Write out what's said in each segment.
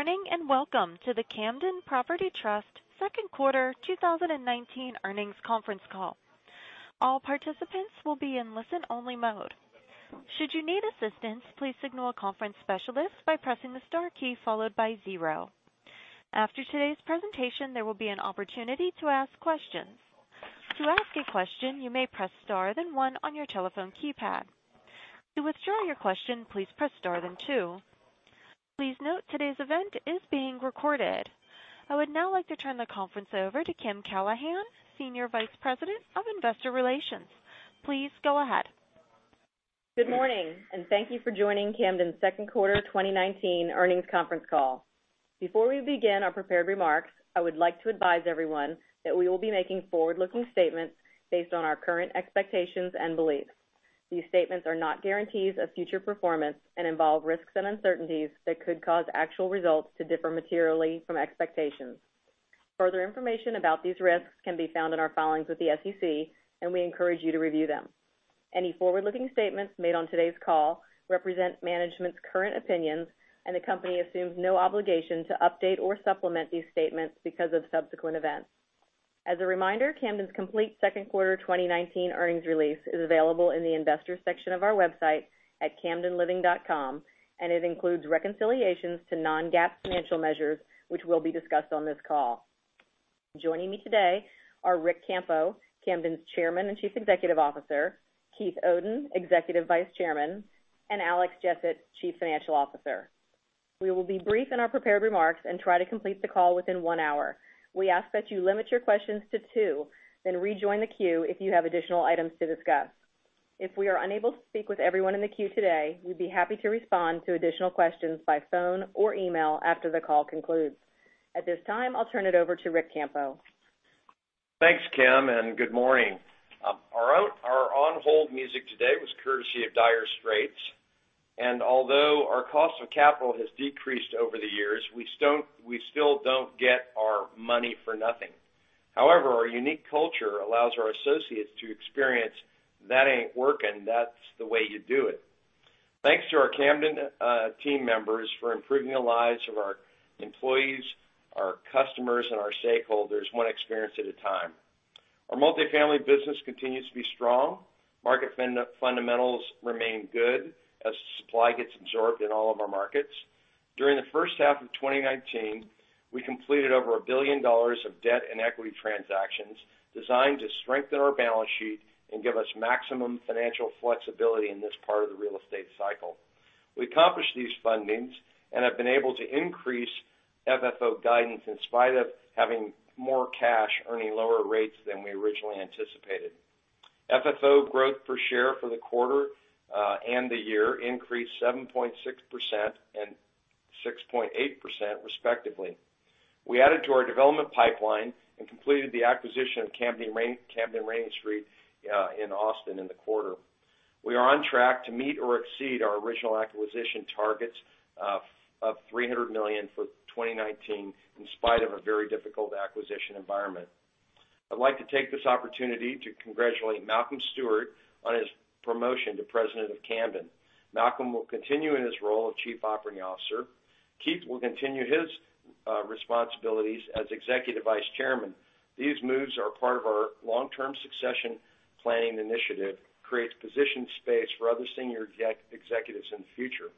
Good morning, welcome to the Camden Property Trust second quarter 2019 earnings conference call. All participants will be in listen-only mode. Should you need assistance, please signal a conference specialist by pressing the star key followed by zero. After today's presentation, there will be an opportunity to ask questions. To ask a question, you may press star then one on your telephone keypad. To withdraw your question, please press star then two. Please note, today's event is being recorded. I would now like to turn the conference over to Kim Callahan, Senior Vice President of Investor Relations. Please go ahead. Good morning. Thank you for joining Camden's second quarter 2019 earnings conference call. Before we begin our prepared remarks, I would like to advise everyone that we will be making forward-looking statements based on our current expectations and beliefs. These statements are not guarantees of future performance and involve risks and uncertainties that could cause actual results to differ materially from expectations. Further information about these risks can be found in our filings with the SEC, and we encourage you to review them. Any forward-looking statements made on today's call represent management's current opinions, and the company assumes no obligation to update or supplement these statements because of subsequent events. As a reminder, Camden's complete second quarter 2019 earnings release is available in the Investors section of our website at camdenliving.com, and it includes reconciliations to non-GAAP financial measures, which will be discussed on this call. Joining me today are Ric Campo, Camden's Chairman and Chief Executive Officer, Keith Oden, Executive Vice Chairman, and Alex Jessett, Chief Financial Officer. We will be brief in our prepared remarks and try to complete the call within one hour. We ask that you limit your questions to two, then rejoin the queue if you have additional items to discuss. If we are unable to speak with everyone in the queue today, we would be happy to respond to additional questions by phone or email after the call concludes. At this time, I will turn it over to Ric Campo. Thanks, Kim. Good morning. Our on-hold music today was courtesy of Dire Straits. Although our cost of capital has decreased over the years, we still don't get our money for nothing. However, our unique culture allows our associates to experience that ain't work. That's the way you do it. Thanks to our Camden team members for improving the lives of our employees, our customers, and our stakeholders, one experience at a time. Our multifamily business continues to be strong. Market fundamentals remain good as the supply gets absorbed in all of our markets. During the first half of 2019, we completed over $1 billion of debt and equity transactions designed to strengthen our balance sheet and give us maximum financial flexibility in this part of the real estate cycle. We accomplished these fundings and have been able to increase FFO guidance in spite of having more cash earning lower rates than we originally anticipated. FFO growth per share for the quarter and the year increased 7.6% and 6.8% respectively. We added to our development pipeline and completed the acquisition of Camden Rainey Street in Austin in the quarter. We are on track to meet or exceed our original acquisition targets of $300 million for 2019 in spite of a very difficult acquisition environment. I'd like to take this opportunity to congratulate Malcolm Stewart on his promotion to President of Camden. Malcolm will continue in his role of Chief Operating Officer. Keith will continue his responsibilities as Executive Vice Chairman. These moves are part of our long-term succession planning initiative, creates position space for other senior executives in the future.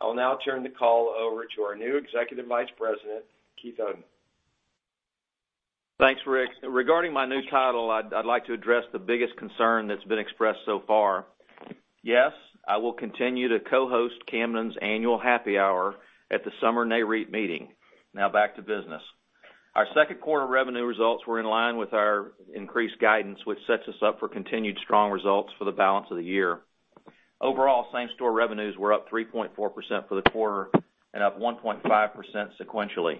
I will now turn the call over to our new Executive Vice President, Keith Oden. Thanks, Ric. Regarding my new title, I'd like to address the biggest concern that's been expressed so far. Yes, I will continue to co-host Camden's annual happy hour at the summer Nareit meeting. Now back to business. Our second quarter revenue results were in line with our increased guidance, which sets us up for continued strong results for the balance of the year. Overall, same-store revenues were up 3.4% for the quarter and up 1.5% sequentially.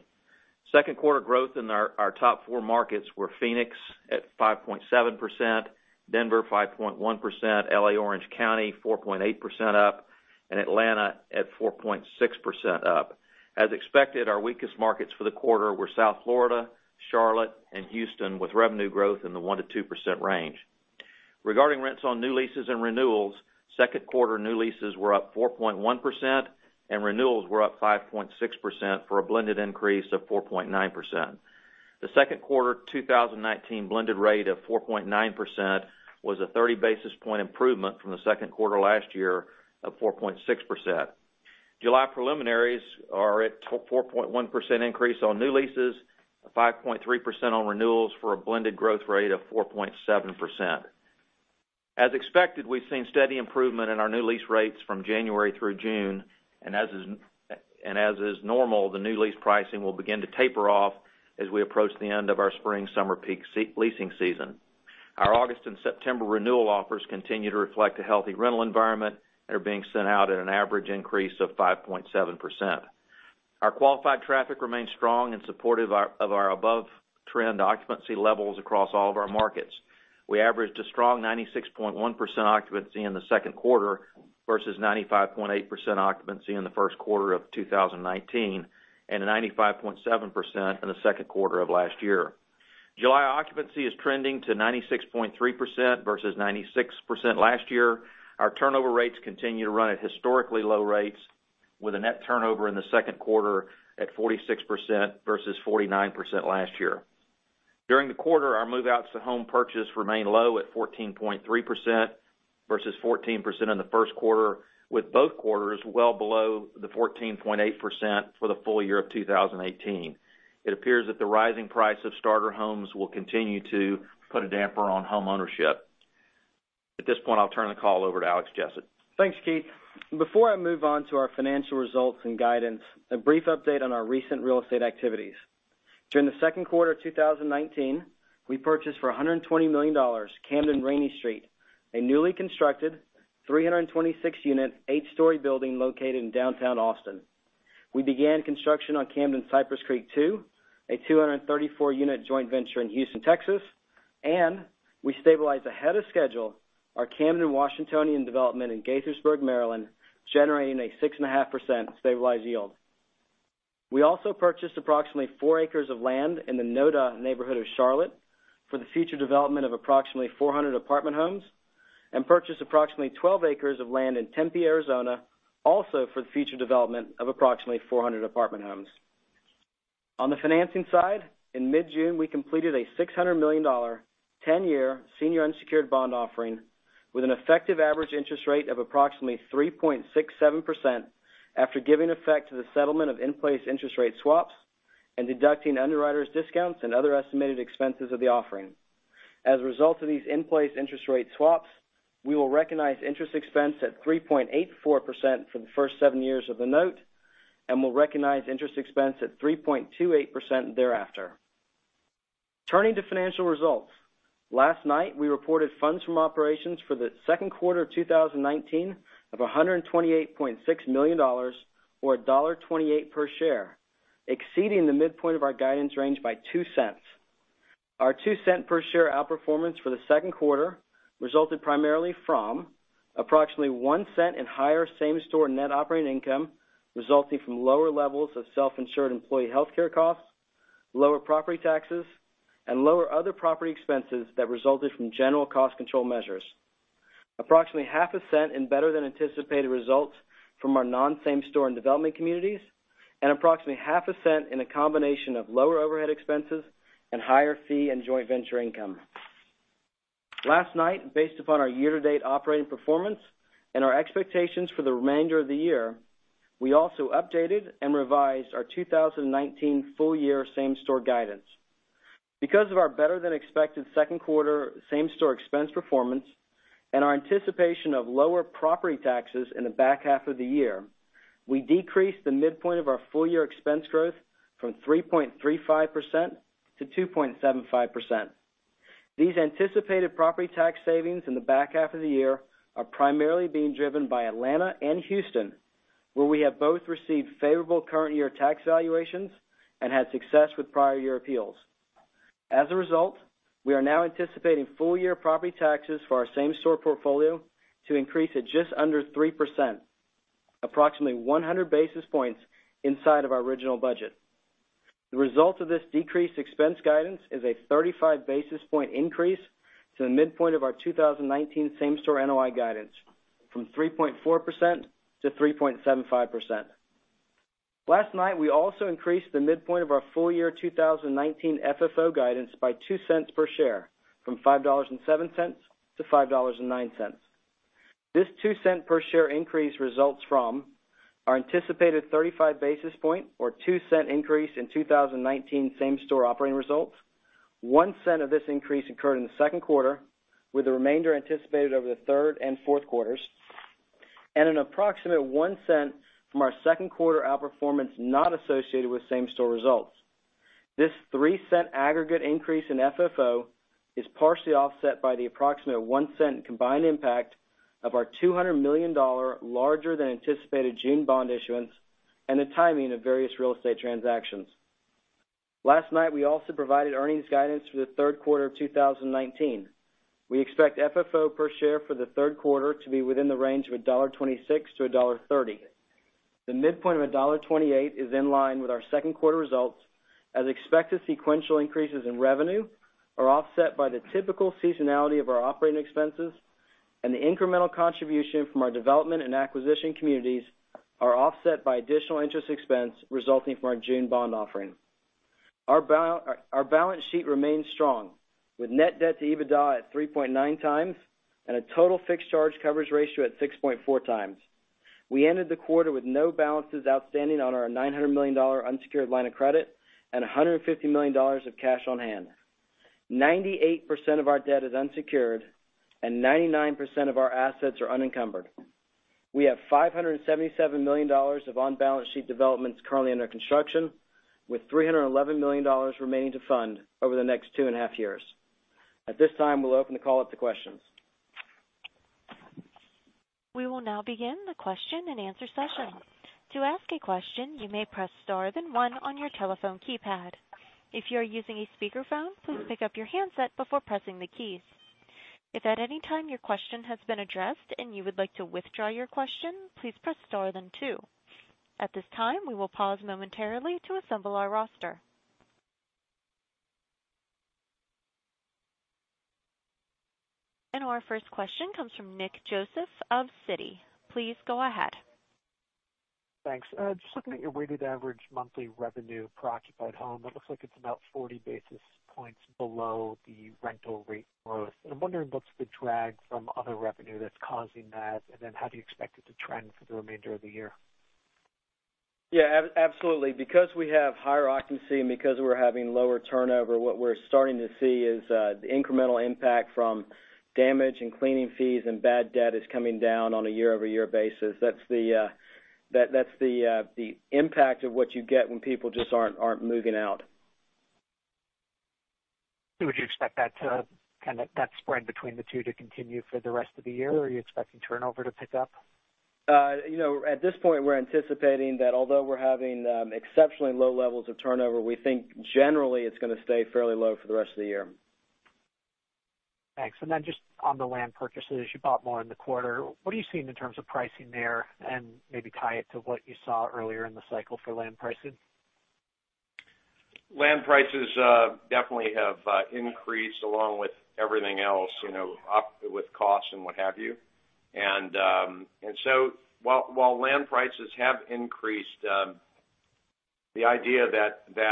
Second quarter growth in our top four markets were Phoenix at 5.7%, Denver 5.1%, L.A. Orange County 4.8% up, and Atlanta at 4.6% up. As expected, our weakest markets for the quarter were South Florida, Charlotte, and Houston, with revenue growth in the 1%-2% range. Regarding rents on new leases and renewals, second quarter new leases were up 4.1%, and renewals were up 5.6% for a blended increase of 4.9%. The second quarter 2019 blended rate of 4.9% was a 30-basis-point improvement from the second quarter last year of 4.6%. July preliminaries are at 4.1% increase on new leases, 5.3% on renewals for a blended growth rate of 4.7%. As expected, we've seen steady improvement in our new lease rates from January through June, and as is normal, the new lease pricing will begin to taper off as we approach the end of our spring-summer peak leasing season. Our August and September renewal offers continue to reflect a healthy rental environment that are being sent out at an average increase of 5.7%. Our qualified traffic remains strong and supportive of our above-trend occupancy levels across all of our markets. We averaged a strong 96.1% occupancy in the second quarter versus 95.8% occupancy in the first quarter of 2019 and a 95.7% in the second quarter of last year. July occupancy is trending to 96.3% versus 96% last year. Our turnover rates continue to run at historically low rates, with a net turnover in the second quarter at 46% versus 49% last year. During the quarter, our move-outs to home purchase remained low at 14.3% versus 14% in the first quarter, with both quarters well below the 14.8% for the full year of 2018. It appears that the rising price of starter homes will continue to put a damper on homeownership. At this point, I'll turn the call over to Alex Jessett. Thanks, Keith. Before I move on to our financial results and guidance, a brief update on our recent real estate activities. During the second quarter of 2019, we purchased for $120 million, Camden Rainey Street, a newly constructed 326-unit, eight-story building located in downtown Austin. We began construction on Camden Cypress Creek II, a 234-unit joint venture in Houston, Texas. We stabilized ahead of schedule our Camden Washingtonian development in Gaithersburg, Maryland, generating a 6.5% stabilized yield. We also purchased approximately four acres of land in the NoDa neighborhood of Charlotte for the future development of approximately 400 apartment homes. Purchased approximately 12 acres of land in Tempe, Arizona, also for the future development of approximately 400 apartment homes. On the financing side, in mid-June, we completed a $600 million, 10-year senior unsecured bond offering with an effective average interest rate of approximately 3.67% after giving effect to the settlement of in-place interest rate swaps and deducting underwriters discounts and other estimated expenses of the offering. As a result of these in-place interest rate swaps, we will recognize interest expense at 3.84% for the first seven years of the note and will recognize interest expense at 3.28% thereafter. Turning to financial results. Last night, we reported funds from operations for the second quarter of 2019 of $128.6 million, or $1.28 per share, exceeding the midpoint of our guidance range by $0.02. Our $0.02 per share outperformance for the second quarter resulted primarily from approximately $0.01 in higher same-store net operating income, resulting from lower levels of self-insured employee healthcare costs, lower property taxes, and lower other property expenses that resulted from general cost control measures. Approximately half a cent in better than anticipated results from our non-same-store and development communities and approximately half a cent in a combination of lower overhead expenses and higher fee and joint venture income. Last night, based upon our year-to-date operating performance and our expectations for the remainder of the year, we also updated and revised our 2019 full-year same-store guidance. Because of our better than expected second quarter same-store expense performance and our anticipation of lower property taxes in the back half of the year, we decreased the midpoint of our full-year expense growth from 3.35% to 2.75%. These anticipated property tax savings in the back half of the year are primarily being driven by Atlanta and Houston, where we have both received favorable current year tax valuations and had success with prior year appeals. As a result, we are now anticipating full-year property taxes for our same-store portfolio to increase at just under 3%, approximately 100 basis points inside of our original budget. The result of this decreased expense guidance is a 35 basis point increase to the midpoint of our 2019 same-store NOI guidance from 3.4%-3.75%. Last night, we also increased the midpoint of our full-year 2019 FFO guidance by $0.02 per share from $5.07-$5.09. This $0.02 per share increase results from our anticipated 35 basis point or $0.02 increase in 2019 same-store operating results. $0.01 of this increase occurred in the second quarter, with the remainder anticipated over the third and fourth quarters, and an approximate $0.01 from our second quarter outperformance not associated with same-store results. This $0.03 aggregate increase in FFO is partially offset by the approximate $0.01 combined impact of our $200 million larger than anticipated June bond issuance and the timing of various real estate transactions. Last night, we also provided earnings guidance for the third quarter of 2019. We expect FFO per share for the third quarter to be within the range of $1.26-$1.30. The midpoint of $1.28 is in line with our second quarter results, as expected sequential increases in revenue are offset by the typical seasonality of our operating expenses, and the incremental contribution from our development and acquisition communities are offset by additional interest expense resulting from our June bond offering. Our balance sheet remains strong, with net debt to EBITDA at 3.9 times and a total fixed charge coverage ratio at 6.4 times. We ended the quarter with no balances outstanding on our $900 million unsecured line of credit and $150 million of cash on hand. 98% of our debt is unsecured and 99% of our assets are unencumbered. We have $577 million of on-balance-sheet developments currently under construction, with $311 million remaining to fund over the next two and a half years. At this time, we'll open the call up to questions. We will now begin the question and answer session. To ask a question, you may press star then one on your telephone keypad. If you are using a speakerphone, please pick up your handset before pressing the keys. If at any time your question has been addressed and you would like to withdraw your question, please press star then two. At this time, we will pause momentarily to assemble our roster. Our first question comes from Nick Joseph of Citi. Please go ahead. Thanks. Just looking at your weighted average monthly revenue per occupied home, it looks like it's about 40 basis points below the rental rate growth. I'm wondering what's the drag from other revenue that's causing that, and then how do you expect it to trend for the remainder of the year? Yeah, absolutely. Because we have higher occupancy and because we're having lower turnover, what we're starting to see is the incremental impact from damage and cleaning fees and bad debt is coming down on a year-over-year basis. That's the impact of what you get when people just aren't moving out. Would you expect that spread between the two to continue for the rest of the year? Or are you expecting turnover to pick up? At this point, we're anticipating that although we're having exceptionally low levels of turnover, we think generally it's going to stay fairly low for the rest of the year. Thanks. Just on the land purchases, you bought more in the quarter. What are you seeing in terms of pricing there? Maybe tie it to what you saw earlier in the cycle for land pricing. Land prices definitely have increased along with everything else, up with costs and what have you. While land prices have increased, the idea that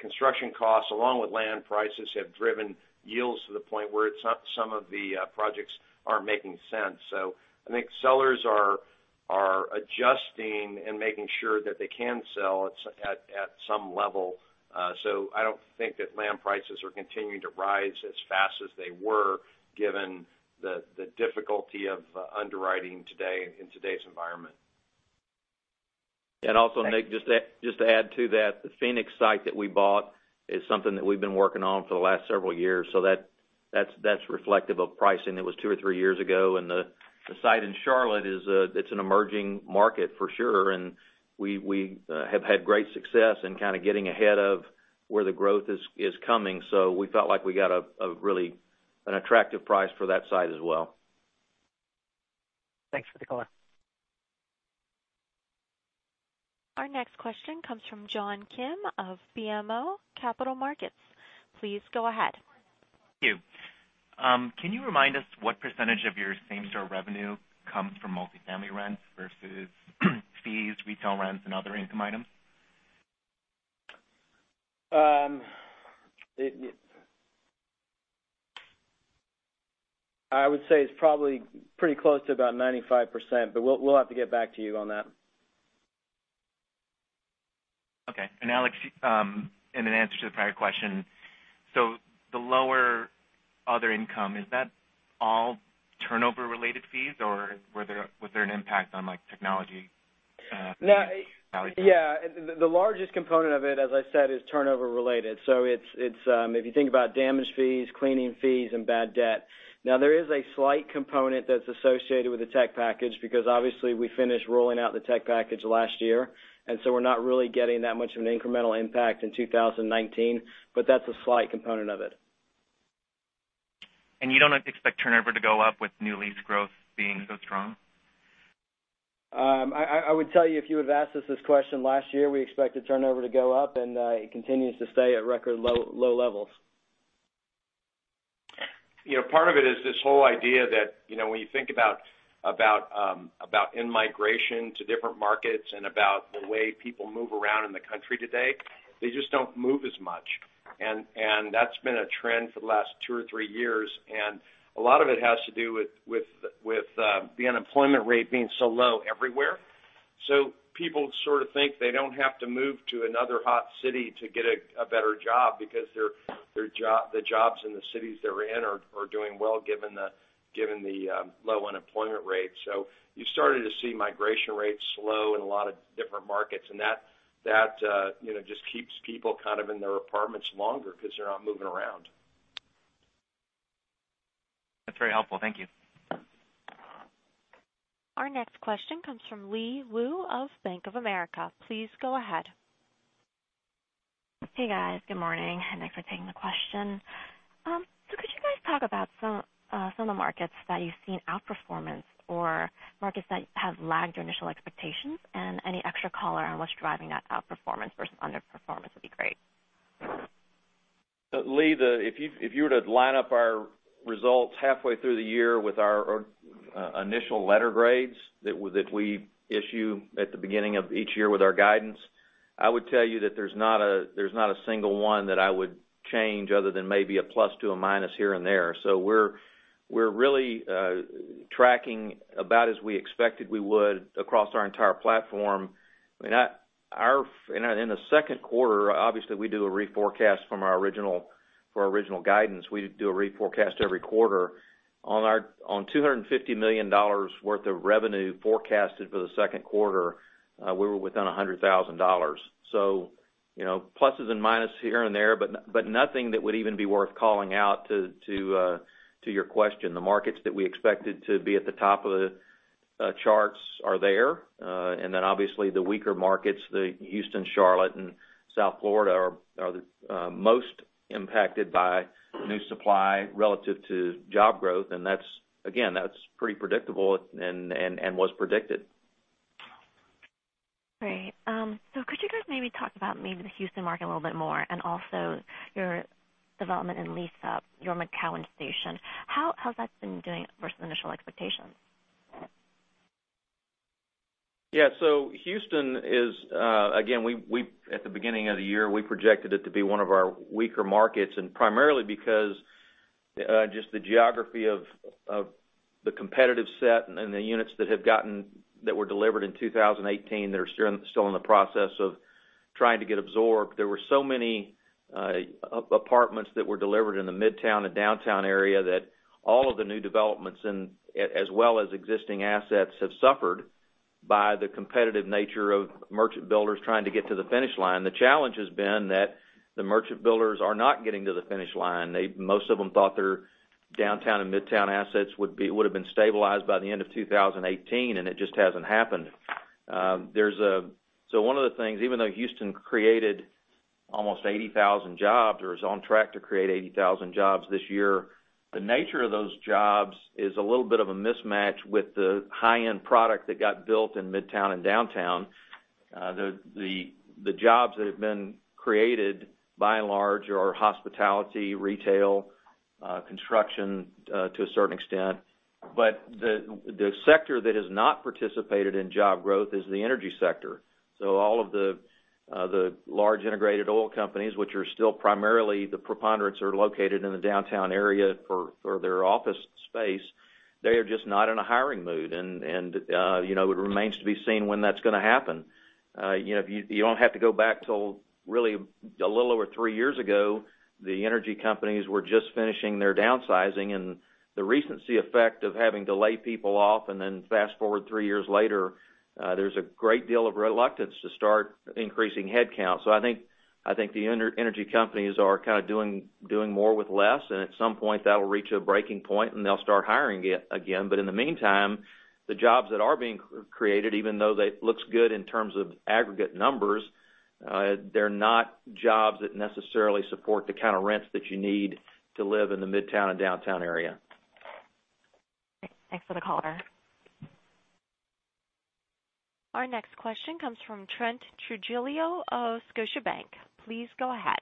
construction costs along with land prices have driven yields to the point where some of the projects aren't making sense. I think sellers are adjusting and making sure that they can sell at some level. I don't think that land prices are continuing to rise as fast as they were, given the difficulty of underwriting in today's environment. Also, Nick, just to add to that, the Phoenix site that we bought is something that we've been working on for the last several years. That's reflective of pricing that was two or three years ago, and the site in Charlotte, it's an emerging market for sure, and we have had great success in kind of getting ahead of where the growth is coming. We felt like we got a really attractive price for that site as well. Thanks for the color. Our next question comes from John Kim of BMO Capital Markets. Please go ahead. Thank you. Can you remind us what percentage of your same-store revenue comes from multifamily rents versus fees, retail rents, and other income items? I would say it's probably pretty close to about 95%, but we'll have to get back to you on that. Okay. Alex, in an answer to the prior question, the lower other income, is that all turnover-related fees, or was there an impact on technology fees? Yeah. The largest component of it, as I said, is turnover related. If you think about damage fees, cleaning fees, and bad debt. There is a slight component that's associated with the tech package, because obviously we finished rolling out the tech package last year, and so we're not really getting that much of an incremental impact in 2019. That's a slight component of it. You don't expect turnover to go up with new lease growth being so strong? I would tell you, if you would've asked us this question last year, we expected turnover to go up, and it continues to stay at record low levels. Part of it is this whole idea that when you think about in-migration to different markets and about the way people move around in the country today, they just don't move as much. That's been a trend for the last two or three years, and a lot of it has to do with the unemployment rate being so low everywhere. People sort of think they don't have to move to another hot city to get a better job because the jobs in the cities they're in are doing well given the low unemployment rate. You've started to see migration rates slow in a lot of different markets, and that just keeps people kind of in their apartments longer because they're not moving around. That's very helpful. Thank you. Our next question comes from [Lee Wu] of Bank of America. Please go ahead. Hey, guys. Good morning, and thanks for taking the question. Could you guys talk about some of the markets that you've seen outperformance or markets that have lagged your initial expectations? Any extra color on what's driving that outperformance versus underperformance would be great. Lee, if you were to line up our results halfway through the year with our initial letter grades that we issue at the beginning of each year with our guidance, I would tell you that there's not a single one that I would change other than maybe a plus to a minus here and there. We're really tracking about as we expected we would across our entire platform. In the second quarter, obviously, we do a reforecast for our original guidance. We do a reforecast every quarter. On $250 million worth of revenue forecasted for the second quarter, we were within $100,000. Pluses and minus here and there, but nothing that would even be worth calling out to your question. The markets that we expected to be at the top of the charts are there. Obviously the weaker markets, the Houston, Charlotte, and South Florida are the most impacted by new supply relative to job growth. Again, that's pretty predictable and was predicted. Great. Could you guys maybe talk about the Houston market a little bit more, and also your development in lease up your McGowen Station. How's that been doing versus initial expectations? Yeah. Houston is, again, at the beginning of the year, we projected it to be one of our weaker markets, and primarily because just the geography of the competitive set and the units that were delivered in 2018 that are still in the process of trying to get absorbed. There were so many apartments that were delivered in the Midtown and Downtown area that all of the new developments, as well as existing assets, have suffered by the competitive nature of merchant builders trying to get to the finish line. The challenge has been that the merchant builders are not getting to the finish line. Most of them thought their Downtown and Midtown assets would've been stabilized by the end of 2018, and it just hasn't happened. One of the things, even though Houston created almost 80,000 jobs, or is on track to create 80,000 jobs this year, the nature of those jobs is a little bit of a mismatch with the high-end product that got built in Midtown and Downtown. The jobs that have been created, by and large, are hospitality, retail, construction to a certain extent. The sector that has not participated in job growth is the energy sector. All of the large integrated oil companies, which are still primarily the preponderance are located in the Downtown area for their office space, they are just not in a hiring mood. It remains to be seen when that's gonna happen. You don't have to go back till really a little over three years ago, the energy companies were just finishing their downsizing. The recency effect of having to lay people off and then fast-forward three years later, there's a great deal of reluctance to start increasing headcount. I think the energy companies are kind of doing more with less, and at some point that will reach a breaking point and they'll start hiring again. In the meantime, the jobs that are being created, even though they looks good in terms of aggregate numbers, they're not jobs that necessarily support the kind of rents that you need to live in the Midtown and Downtown area. Thanks for the color. Our next question comes from Trent Trujillo of Scotiabank. Please go ahead.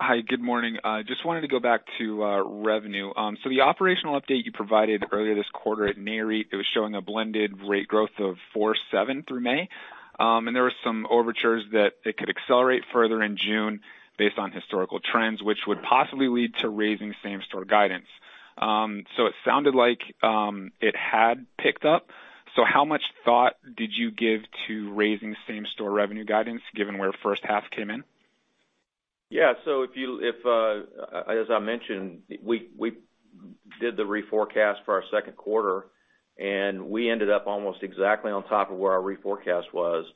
Hi. Good morning. Just wanted to go back to revenue. The operational update you provided earlier this quarter at Nareit, it was showing a blended rate growth of 4.7 through May. There was some overtures that it could accelerate further in June based on historical trends, which would possibly lead to raising same-store guidance. It sounded like it had picked up. How much thought did you give to raising same-store revenue guidance, given where first half came in? Yeah. As I mentioned, we did the reforecast for our second quarter, and we ended up almost exactly on top of where our reforecast was.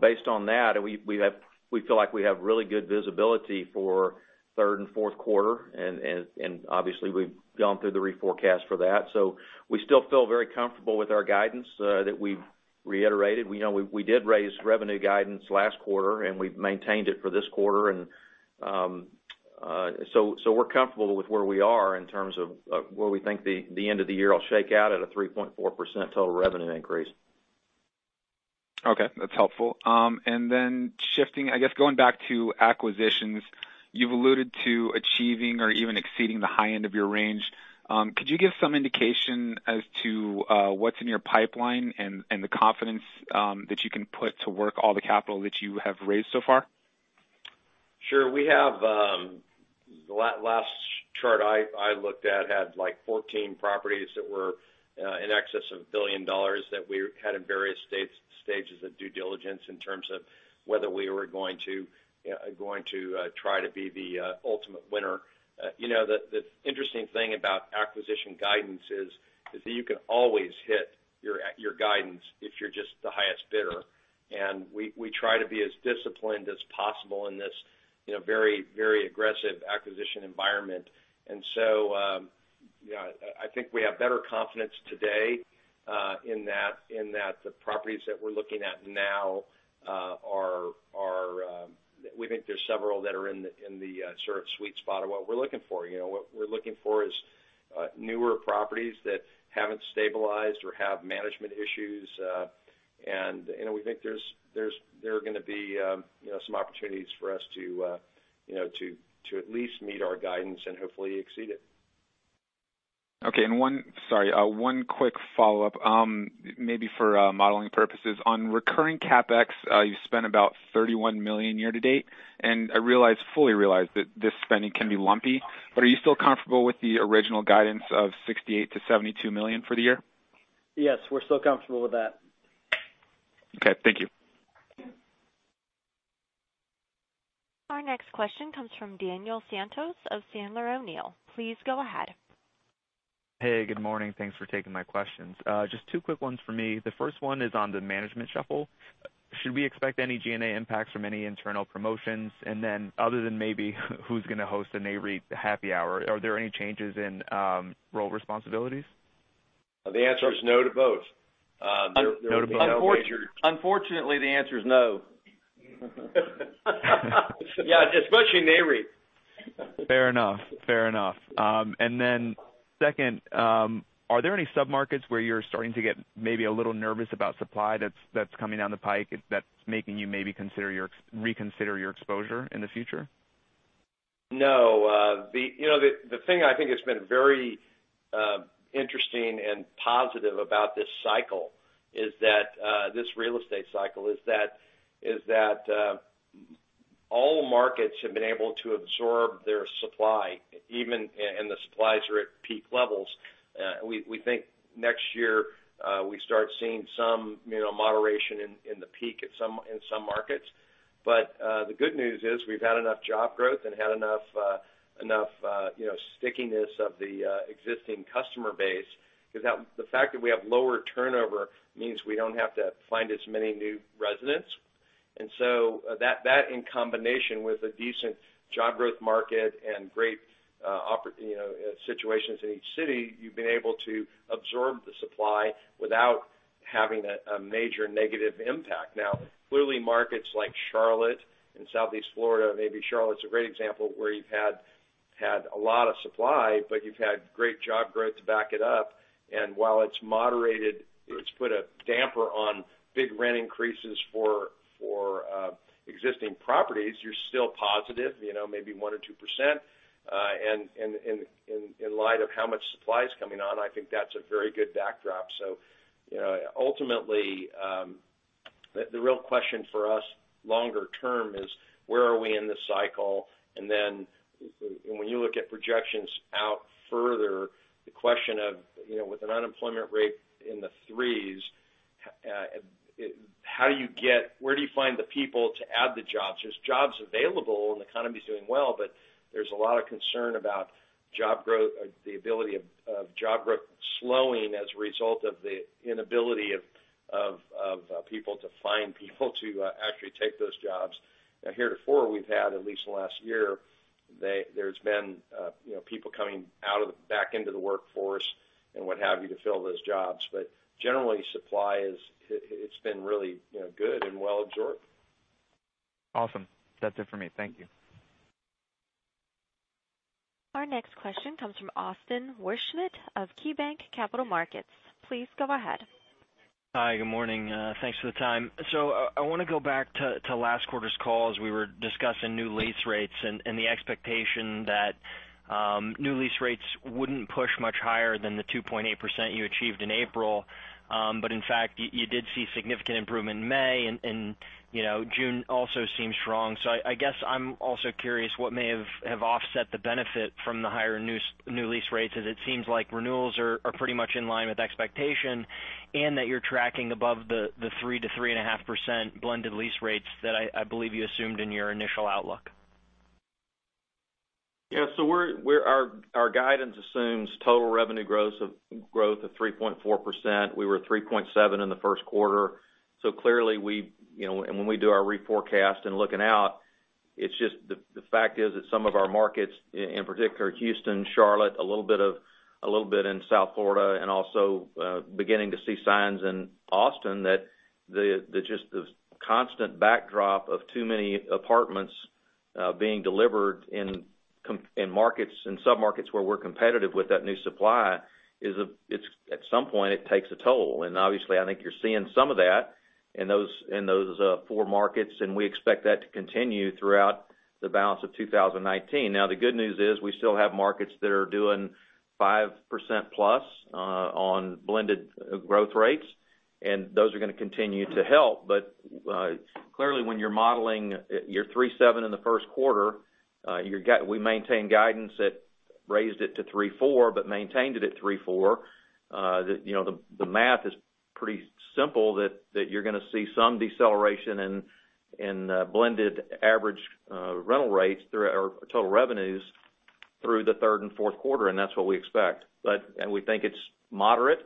Based on that, we feel like we have really good visibility for third and fourth quarter, and obviously we've gone through the reforecast for that. We still feel very comfortable with our guidance that we've reiterated. We did raise revenue guidance last quarter, and we've maintained it for this quarter. We're comfortable with where we are in terms of where we think the end of the year will shake out at a 3.4% total revenue increase. Okay. That's helpful. Then shifting, I guess going back to acquisitions, you've alluded to achieving or even exceeding the high end of your range. Could you give some indication as to what's in your pipeline and the confidence that you can put to work all the capital that you have raised so far? Sure. The last chart I looked at had 14 properties that were in excess of $1 billion that we had in various stages of due diligence in terms of whether we were going to try to be the ultimate winner. The interesting thing about acquisition guidance is that you can always hit your guidance if you're just the highest bidder. We try to be as disciplined as possible in this very aggressive acquisition environment. I think we have better confidence today in that the properties that we're looking at now, we think there's several that are in the sort of sweet spot of what we're looking for. What we're looking for is newer properties that haven't stabilized or have management issues. We think there are gonna be some opportunities for us to at least meet our guidance and hopefully exceed it. Okay. One quick follow-up, maybe for modeling purposes. On recurring CapEx, you spent about $31 million year to date, and I fully realize that this spending can be lumpy, but are you still comfortable with the original guidance of $68 million-$72 million for the year? Yes, we're still comfortable with that. Okay. Thank you. Our next question comes from Daniel Santos of Sandler O'Neill. Please go ahead. Hey, good morning. Thanks for taking my questions. Just two quick ones for me. The first one is on the management shuffle. Should we expect any G&A impacts from any internal promotions? Other than maybe who's going to host the Nareit happy hour, are there any changes in role responsibilities? The answer is no to both. No to both. There are no major- Unfortunately, the answer is no. Yeah, especially Nareit. Fair enough. Then second, are there any sub-markets where you're starting to get maybe a little nervous about supply that's coming down the pike, that's making you maybe reconsider your exposure in the future? No. The thing I think has been very interesting and positive about this real estate cycle is that all markets have been able to absorb their supply, even when the supplies are at peak levels. We think next year, we start seeing some moderation in the peak in some markets. The good news is we've had enough job growth and had enough stickiness of the existing customer base, because the fact that we have lower turnover means we don't have to find as many new residents. That in combination with a decent job growth market and great situations in each city, you've been able to absorb the supply without having a major negative impact. Now, clearly, markets like Charlotte and Southeast Florida, maybe Charlotte's a great example, where you've had a lot of supply, but you've had great job growth to back it up. While it's moderated, it's put a damper on big rent increases for existing properties. You're still positive, maybe 1% or 2%. In light of how much supply is coming on, I think that's a very good backdrop. Ultimately, the real question for us longer term is, where are we in this cycle? When you look at projections out further, the question of, with an unemployment rate in the threes, where do you find the people to add the jobs? There's jobs available and the economy's doing well, but there's a lot of concern about the ability of job growth slowing as a result of the inability of people to find people to actually take those jobs. Heretofore we've had, at least in the last year, there's been people coming back into the workforce and what have you, to fill those jobs. Generally, supply, it's been really good and well absorbed. Awesome. That's it for me. Thank you. Our next question comes from Austin Wurschmidt of KeyBanc Capital Markets. Please go ahead. Hi. Good morning. Thanks for the time. I want to go back to last quarter's call, as we were discussing new lease rates and the expectation that new lease rates wouldn't push much higher than the 2.8% you achieved in April. In fact, you did see significant improvement in May, and June also seems strong. I guess I'm also curious what may have offset the benefit from the higher new lease rates, as it seems like renewals are pretty much in line with expectation, and that you're tracking above the 3% to 3.5% blended lease rates that I believe you assumed in your initial outlook. Yeah. Our guidance assumes total revenue growth of 3.4%. We were 3.7 in the first quarter. Clearly, when we do our re-forecast and looking out, the fact is that some of our markets, in particular Houston, Charlotte, a little bit in South Florida, and also beginning to see signs in Austin, that just the constant backdrop of too many apartments being delivered in sub-markets where we're competitive with that new supply, at some point, it takes a toll. Obviously, I think you're seeing some of that in those four markets, and we expect that to continue throughout the balance of 2019. The good news is we still have markets that are doing 5%+ on blended growth rates, and those are going to continue to help. Clearly, when you're modeling your 3.7% in the first quarter, we maintained guidance that raised it to 3.4%, but maintained it at 3.4%. The math is pretty simple that you're going to see some deceleration in blended average rental rates or total revenues through the third and fourth quarter. That's what we expect. We think it's moderate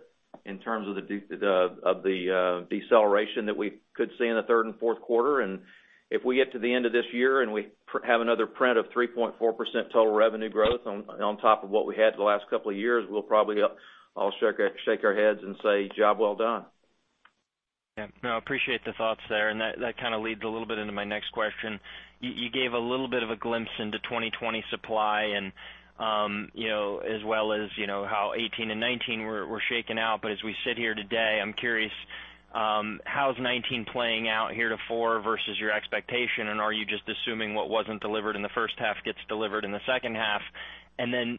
in terms of the deceleration that we could see in the third and fourth quarter. If we get to the end of this year and we have another print of 3.4% total revenue growth on top of what we had the last couple of years, we'll probably all shake our heads and say, "Job well done. Yeah. No, I appreciate the thoughts there, and that kind of leads a little bit into my next question. You gave a little bit of a glimpse into 2020 supply and as well as how 2018 and 2019 were shaking out. As we sit here today, I'm curious, how's 2019 playing out to date versus your expectation, and are you just assuming what wasn't delivered in the first half gets delivered in the second half?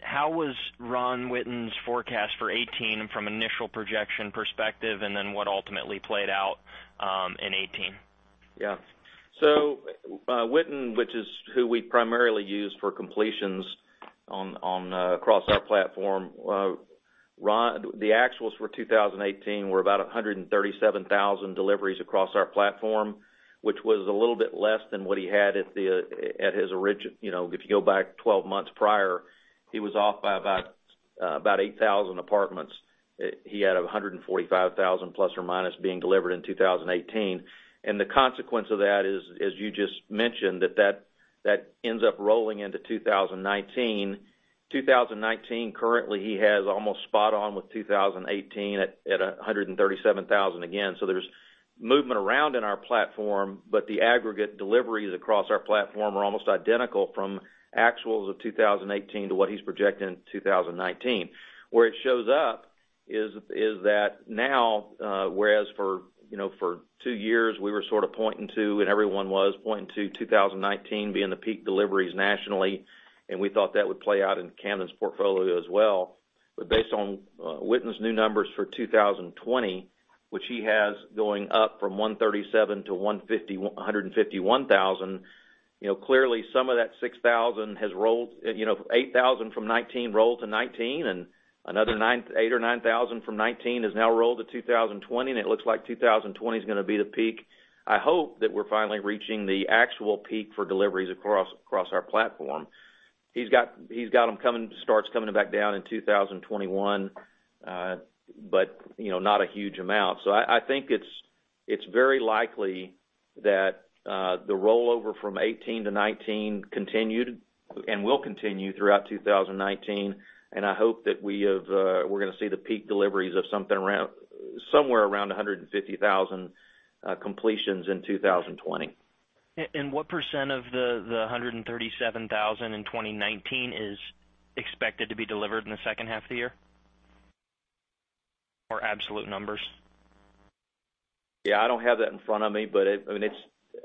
How was Ron Witten's forecast for 2018 from initial projection perspective, and then what ultimately played out in 2018? Witten, which is who we primarily use for completions across our platform. The actuals for 2018 were about 137,000 deliveries across our platform, which was a little bit less than what he had at his origin. If you go back 12 months prior, he was off by about. About 8,000 apartments. He had 145,000, ±, being delivered in 2018. The consequence of that is, as you just mentioned, that ends up rolling into 2019. 2019, currently, he has almost spot on with 2018 at 137,000 again. There's movement around in our platform, but the aggregate deliveries across our platform are almost identical from actuals of 2018 to what he's projecting in 2019. Where it shows up is that now, whereas for two years, we were sort of pointing to, and everyone was pointing to 2019 being the peak deliveries nationally, and we thought that would play out in Camden's portfolio as well. Based on Witten's new numbers for 2020, which he has going up from 137 to 151,000, clearly some of that 8,000 from 2019 rolled to 2019, and another 8,000 or 9,000 from 2019 has now rolled to 2020, and it looks like 2020's going to be the peak. I hope that we're finally reaching the actual peak for deliveries across our platform. He's got them, starts coming back down in 2021. Not a huge amount. I think it's very likely that the rollover from 2018 to 2019 continued, and will continue throughout 2019, and I hope that we're going to see the peak deliveries of somewhere around 150,000 completions in 2020. What % of the 137,000 in 2019 is expected to be delivered in the second half of the year? Absolute numbers? Yeah, I don't have that in front of me, but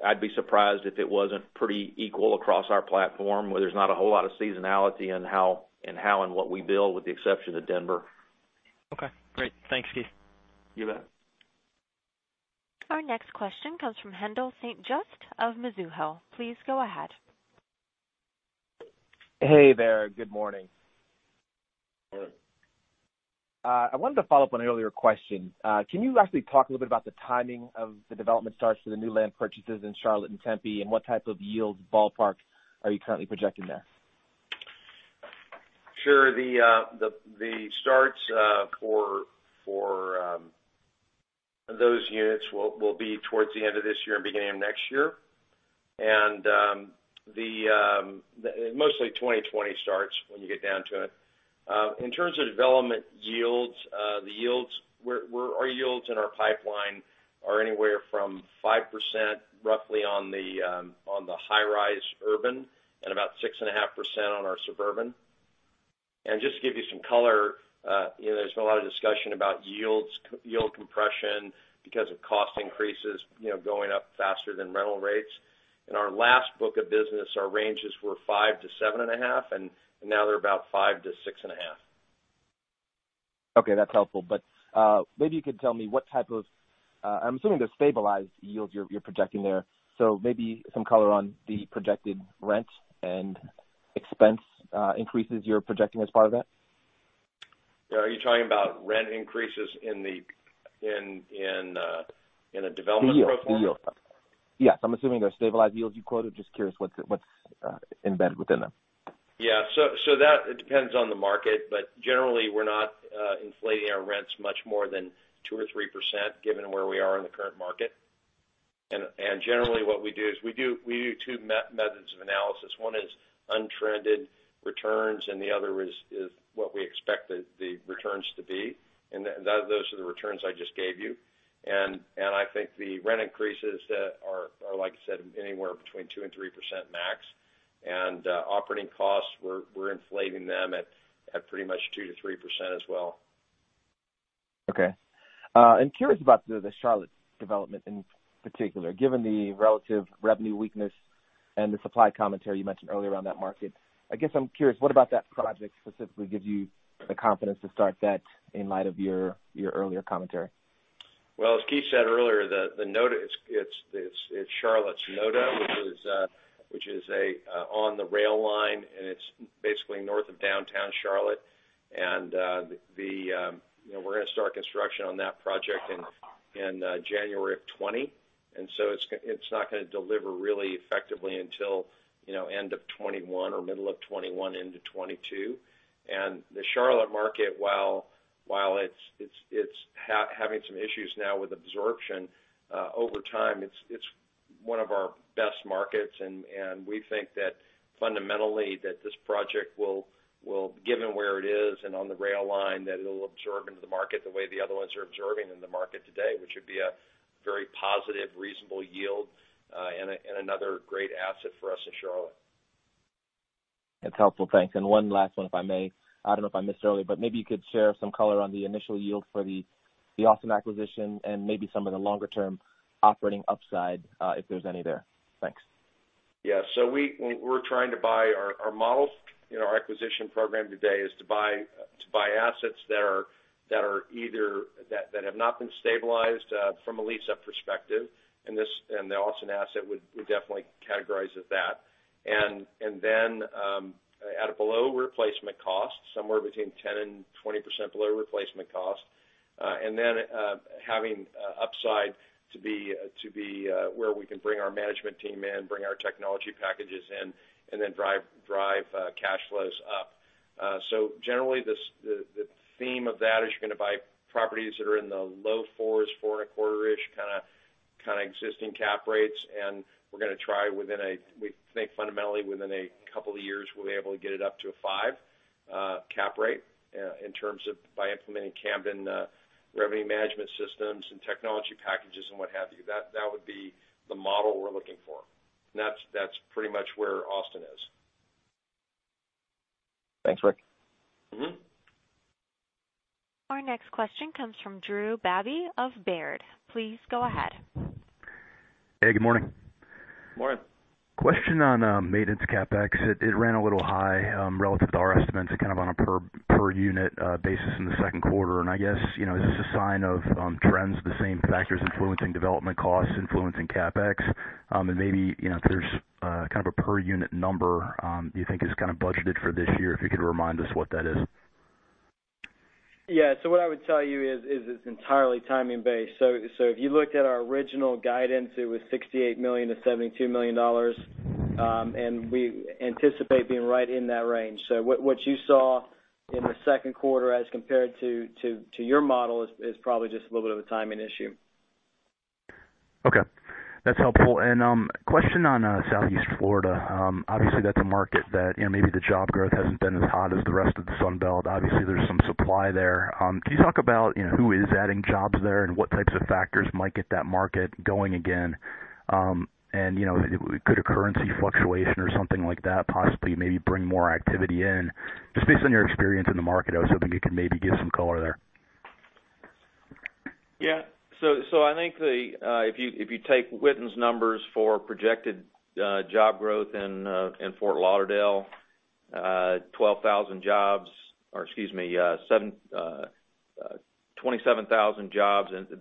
I'd be surprised if it wasn't pretty equal across our platform, where there's not a whole lot of seasonality in how and what we build, with the exception of Denver. Okay, great. Thanks, Keith. You bet. Our next question comes from Haendel St. Juste of Mizuho. Please go ahead. Hey there. Good morning. Good morning. I wanted to follow up on an earlier question. Can you actually talk a little bit about the timing of the development starts for the new land purchases in Charlotte and Tempe, and what type of yields, ballpark, are you currently projecting there? Sure. The starts for those units will be towards the end of this year and beginning of next year. Mostly 2020 starts, when you get down to it. In terms of development yields, our yields in our pipeline are anywhere from 5%, roughly, on the high-rise urban, and about 6.5% on our suburban. Just to give you some color, there's been a lot of discussion about yield compression because of cost increases going up faster than rental rates. In our last book of business, our ranges were 5%-7.5%, and now they're about 5%-6.5%. Okay, that's helpful. Maybe you could tell me, I'm assuming they're stabilized yields you're projecting there, so maybe some color on the projected rent and expense increases you're projecting as part of that? Are you talking about rent increases in a development profile? The yield. Yes, I'm assuming they're stabilized yields you quoted. Just curious what's embedded within them. That depends on the market, but generally, we're not inflating our rents much more than 2% or 3%, given where we are in the current market. Generally, what we do is we do two methods of analysis. One is untrended returns, and the other is what we expect the returns to be. Those are the returns I just gave you. I think the rent increases are, like I said, anywhere between 2% and 3% max. Operating costs, we're inflating them at pretty much 2% to 3% as well. Okay. I'm curious about the Charlotte development in particular, given the relative revenue weakness and the supply commentary you mentioned earlier on that market. I guess I'm curious, what about that project specifically gives you the confidence to start that in light of your earlier commentary? Well, as Keith said earlier, it's Charlotte's NoDa, which is on the rail line, and it's basically north of downtown Charlotte. We're going to start construction on that project in January of 2020. It's not going to deliver really effectively until end of 2021 or middle of 2021 into 2022. The Charlotte market, while it's having some issues now with absorption, over time, it's one of our best markets, and we think that fundamentally that this project will, given where it is and on the rail line, that it'll absorb into the market the way the other ones are absorbing in the market today, which would be a very positive, reasonable yield, and another great asset for us in Charlotte. That's helpful. Thanks. One last one, if I may. I don't know if I missed earlier, but maybe you could share some color on the initial yield for the Austin acquisition, and maybe some of the longer-term operating upside, if there's any there. Thanks. We're trying to buy our models. Our acquisition program today is to buy assets that have not been stabilized from a lease-up perspective, and the Austin asset would definitely categorize as that, at a below replacement cost, somewhere between 10% and 20% below replacement cost. Then having upside to be where we can bring our management team in, bring our technology packages in, and then drive cash flows up. Generally, the theme of that is you're going to buy properties that are in the low fours, 4.25-ish kind of existing cap rates. We're going to try, we think fundamentally within a couple of years, we'll be able to get it up to a 5% cap rate in terms of by implementing Camden revenue management systems and technology packages and what have you. That would be the model we're looking for. That's pretty much where Austin is. Thanks, Ric. Our next question comes from Drew Babin of Baird. Please go ahead. Hey, good morning. Morning. Question on maintenance CapEx. It ran a little high, relative to our estimates, kind of on a per unit basis in the second quarter. I guess, is this a sign of trends, the same factors influencing development costs influencing CapEx? Maybe, if there's kind of a per unit number you think is kind of budgeted for this year, if you could remind us what that is. Yeah. What I would tell you is it's entirely timing based. If you looked at our original guidance, it was $68 million-$72 million, and we anticipate being right in that range. What you saw in the second quarter as compared to your model is probably just a little bit of a timing issue. Okay, that's helpful. Question on Southeast Florida. Obviously, that's a market that maybe the job growth hasn't been as hot as the rest of the Sun Belt. Obviously, there's some supply there. Can you talk about who is adding jobs there and what types of factors might get that market going again? Could a currency fluctuation or something like that possibly maybe bring more activity in? Just based on your experience in the market, I was hoping you could maybe give some color there. I think if you take Witten's numbers for projected job growth in Fort Lauderdale, 27,000 jobs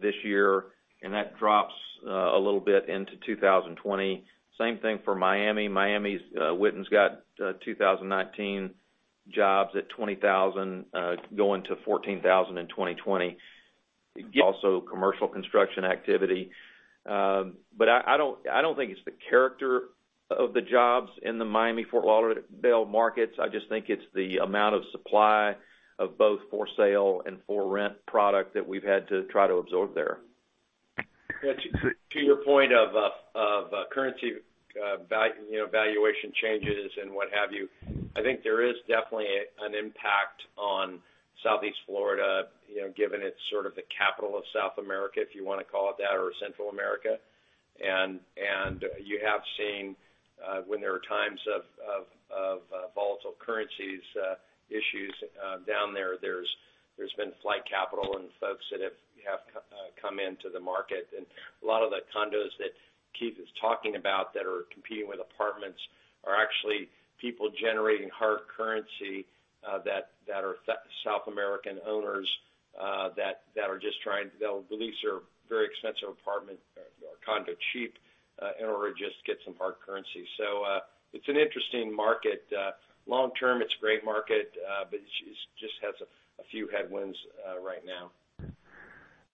this year, and that drops a little bit into 2020. Same thing for Miami. Miami's Witten's got 2019 jobs at 20,000, going to 14,000 in 2020. Also, commercial construction activity. I don't think it's the character of the jobs in the Miami, Fort Lauderdale markets. I just think it's the amount of supply of both for sale and for rent product that we've had to try to absorb there. To your point of currency valuation changes and what have you, I think there is definitely an impact on Southeast Florida, given it's sort of the capital of South America, if you want to call it that, or Central America. You have seen when there are times of volatile currencies issues down there's been flight capital and folks that have come into the market. A lot of the condos that Keith is talking about that are competing with apartments are actually people generating hard currency that are South American owners that'll lease a very expensive apartment or condo cheap in order to just get some hard currency. It's an interesting market. Long term, it's a great market, but it just has a few headwinds right now.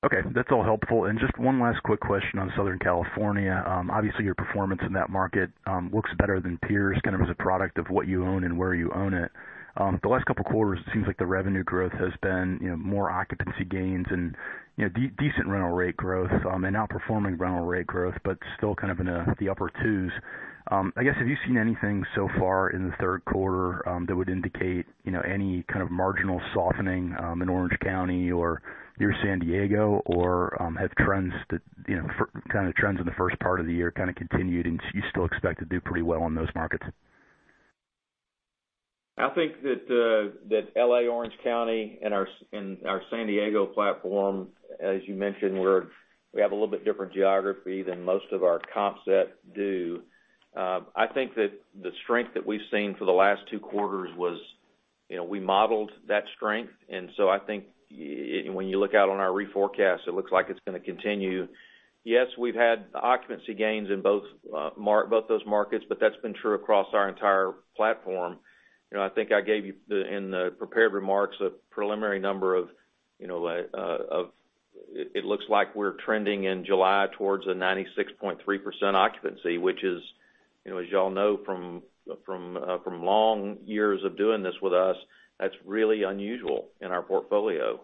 Okay, that's all helpful. Just one last quick question on Southern California. Obviously, your performance in that market looks better than peers, kind of as a product of what you own and where you own it. The last couple of quarters, it seems like the revenue growth has been more occupancy gains and decent rental rate growth and outperforming rental rate growth, but still kind of in the upper twos. I guess, have you seen anything so far in the third quarter that would indicate any kind of marginal softening in Orange County or near San Diego, or have kind of trends in the first part of the year kind of continued, and you still expect to do pretty well in those markets? I think that L.A., Orange County, and our San Diego platform, as you mentioned, we have a little bit different geography than most of our comp set do. I think that the strength that we've seen for the last two quarters was we modeled that strength, and so I think when you look out on our reforecast, it looks like it's going to continue. Yes, we've had occupancy gains in both those markets, but that's been true across our entire platform. I think I gave you in the prepared remarks, a preliminary number of it looks like we're trending in July towards a 96.3% occupancy, which is, as you all know from long years of doing this with us, that's really unusual in our portfolio.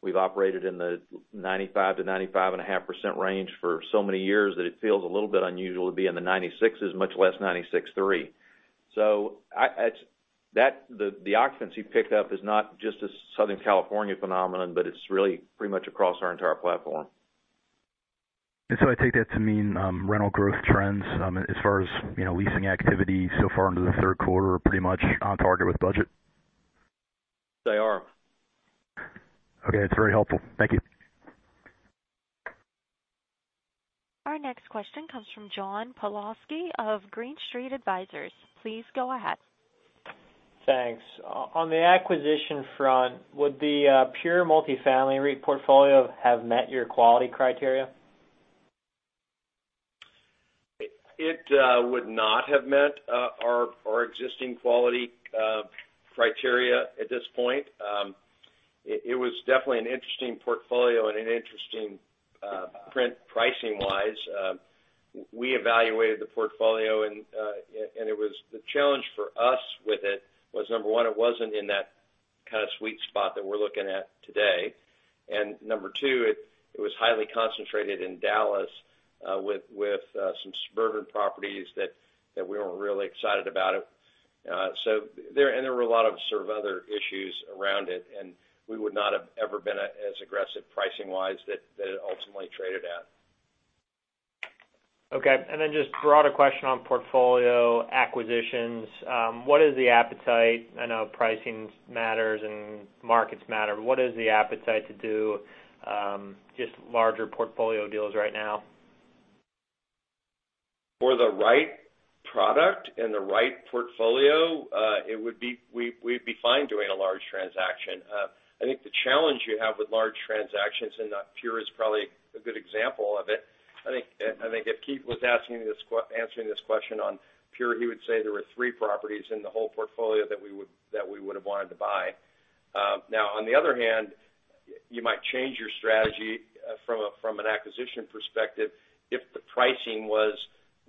We've operated in the 95%-95.5% range for so many years that it feels a little bit unusual to be in the 96s, much less 96.3%. The occupancy picked up is not just a Southern California phenomenon, but it's really pretty much across our entire platform. I take that to mean rental growth trends as far as leasing activity so far into the third quarter are pretty much on target with budget? They are. Okay. That's very helpful. Thank you. Our next question comes from John Pawlowski of Green Street Advisors. Please go ahead. Thanks. On the acquisition front, would the Pure Multi-Family REIT portfolio have met your quality criteria? It would not have met our existing quality criteria at this point. It was definitely an interesting portfolio and an interesting print pricing wise. We evaluated the portfolio, the challenge for us with it was, number 1, it wasn't in that kind of sweet spot that we're looking at today. Number 2, it was highly concentrated in Dallas with some suburban properties that we weren't really excited about. There were a lot of sort of other issues around it, we would not have ever been as aggressive pricing wise that it ultimately traded at. Okay. Just broader question on portfolio acquisitions, what is the appetite? I know pricing matters and markets matter, but what is the appetite to do just larger portfolio deals right now? For the right product and the right portfolio, we'd be fine doing a large transaction. I think the challenge you have with large transactions, Pure is probably a good example of it. I think if Keith was answering this question on Pure, he would say there were three properties in the whole portfolio that we would've wanted to buy. On the other hand, you might change your strategy from an acquisition perspective if the pricing was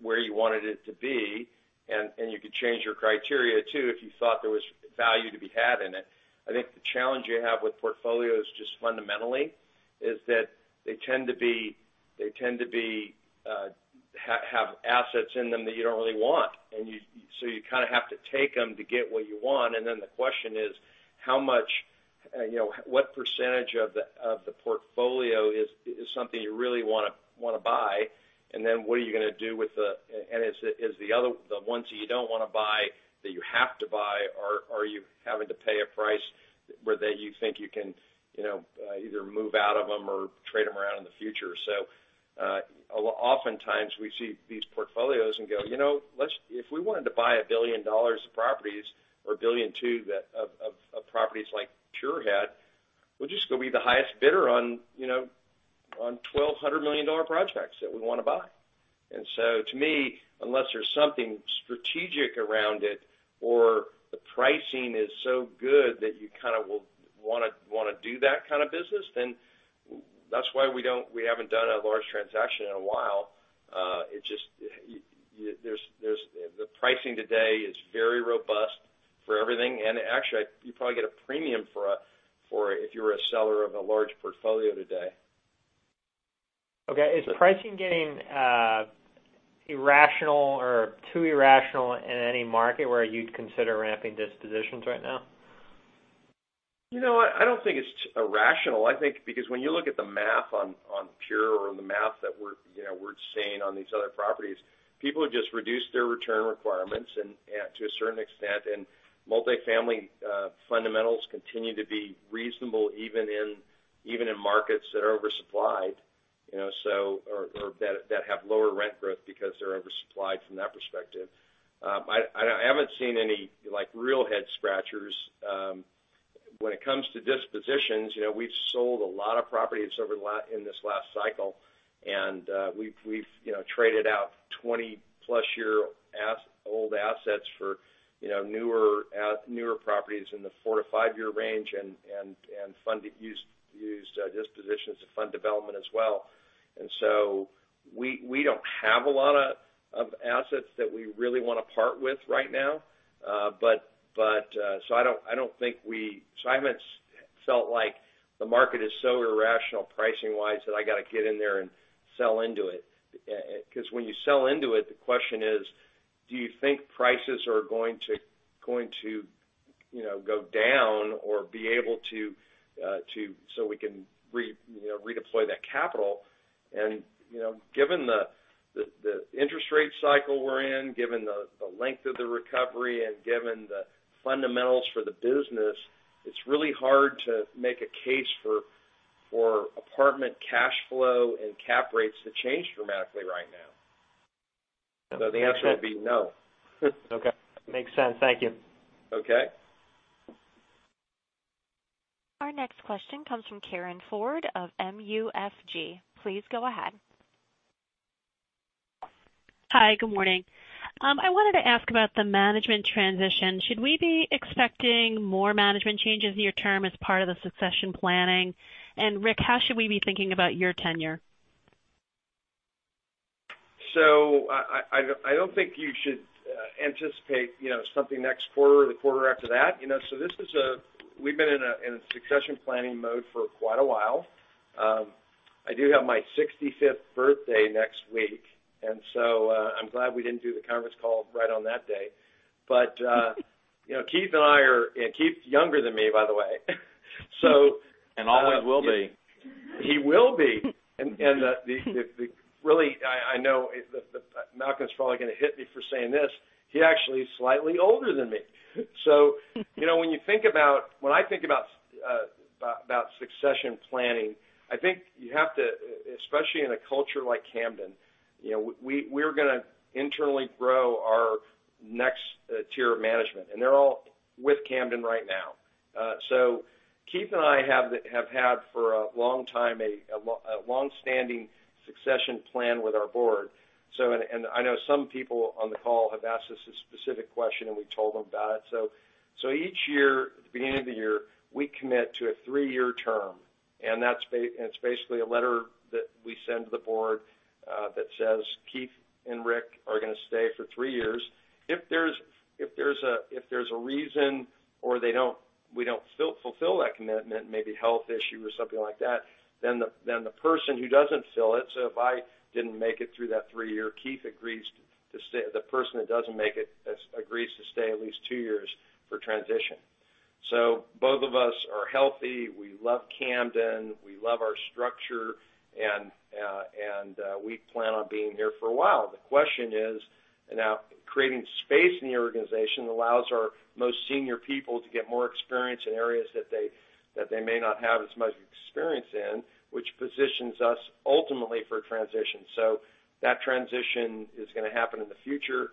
where you wanted it to be, and you could change your criteria, too, if you thought there was value to be had in it. I think the challenge you have with portfolios, just fundamentally, is that they tend to have assets in them that you don't really want. You kind of have to take them to get what you want. The question is how much, what percentage of the portfolio is something you really want to buy? What are you going to do? Is the ones that you don't want to buy, that you have to buy, are you having to pay a price where you think you can either move out of them or trade them around in the future? Oftentimes we see these portfolios and go, if we wanted to buy $1 billion of properties or $1.2 billion of properties like Pure had, we'll just go be the highest bidder on $1,200 million projects that we want to buy. To me, unless there's something strategic around it or the pricing is so good that you kind of will want to do that kind of business, then that's why we haven't done a large transaction in a while. The pricing today is very robust for everything. Actually, you probably get a premium for if you're a seller of a large portfolio today. Okay, is pricing getting irrational or too irrational in any market where you'd consider ramping dispositions right now? You know what? I don't think it's irrational, I think because when you look at the math on Pure or the math that we're seeing on these other properties, people have just reduced their return requirements to a certain extent, and multifamily fundamentals continue to be reasonable, even in markets that are oversupplied, or that have lower rent growth because they're oversupplied from that perspective. I haven't seen any real head scratchers. When it comes to dispositions, we've sold a lot of properties in this last cycle, and we've traded out 20-plus-year-old assets for newer properties in the four to five year range and used dispositions to fund development as well. We don't have a lot of assets that we really want to part with right now. I haven't felt like the market is so irrational pricing wise, that I got to get in there and sell into it. When you sell into it, the question is, do you think prices are going to go down or so we can redeploy that capital. Given the interest rate cycle we're in, given the length of the recovery, and given the fundamentals for the business, it's really hard to make a case for apartment cash flow and cap rates to change dramatically right now. The answer would be no. Okay. Makes sense. Thank you. Okay. Our next question comes from Karin Ford of MUFG. Please go ahead. Hi, good morning. I wanted to ask about the management transition. Should we be expecting more management changes in your term as part of the succession planning? Ric, how should we be thinking about your tenure? I don't think you should anticipate something next quarter or the quarter after that. We've been in a succession planning mode for quite a while. I do have my 65th birthday next week, I'm glad we didn't do the conference call right on that day. Keith and I are. Keith's younger than me, by the way. Always will be. He will be. Really, I know Malcolm's probably going to hit me for saying this. He actually is slightly older than me. When I think about succession planning, I think you have to, especially in a culture like Camden, we're going to internally grow our next tier of management, and they're all with Camden right now. Keith and I have had for a long time, a longstanding succession plan with our board. I know some people on the call have asked us this specific question, and we've told them about it. Each year, at the beginning of the year, we commit to a three-year term, and it's basically a letter that we send to the board that says, "Keith and Ric are going to stay for three years." If there's a reason or we don't fulfill that commitment, maybe health issue or something like that, then the person who doesn't fill it So if I didn't make it through that three year, the person that doesn't make it agrees to stay at least two years for transition. Both of us are healthy. We love Camden, we love our structure, and we plan on being here for a while. The question is, now creating space in the organization allows our most senior people to get more experience in areas that they may not have as much experience in, which positions us ultimately for a transition. That transition is going to happen in the future.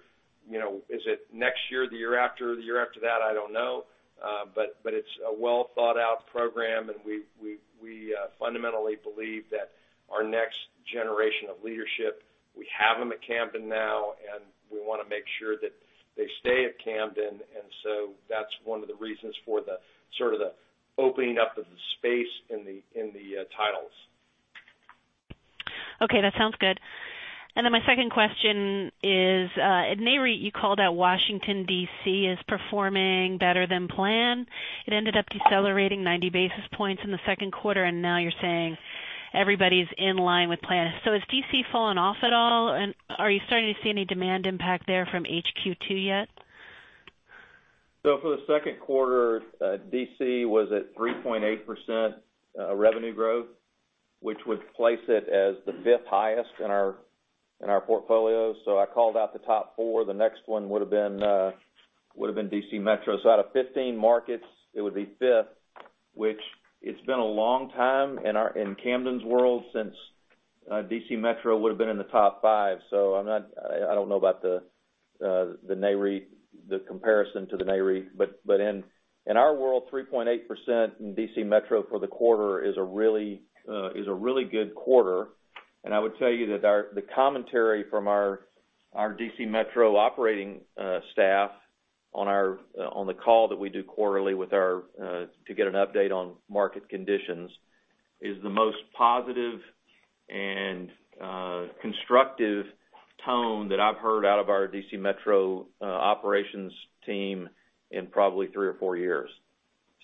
Is it next year, the year after, the year after that? I don't know. It's a well-thought-out program, and we fundamentally believe that our next generation of leadership, we have them at Camden now, and we want to make sure that they stay at Camden. That's one of the reasons for the opening up of the space in the titles. Okay, that sounds good. Then my second question is, at Nareit, you called out Washington, D.C., as performing better than planned. It ended up decelerating 90 basis points in the second quarter, and now you're saying everybody's in line with plans. Has D.C. fallen off at all, and are you starting to see any demand impact there from HQ2 yet? For the second quarter, D.C. was at 3.8% revenue growth, which would place it as the fifth highest in our portfolio. I called out the top four. The next one would've been D.C. Metro. Out of 15 markets, it would be fifth, which it's been a long time in Camden's world since D.C. Metro would've been in the top five. I don't know about the comparison to the Nareit, but in our world, 3.8% in D.C. Metro for the quarter is a really good quarter. I would tell you that the commentary from our D.C. Metro operating staff on the call that we do quarterly to get an update on market conditions, is the most positive and constructive tone that I've heard out of our D.C. Metro operations team in probably three or four years.